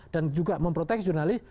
dan juga memproteksi jurnalis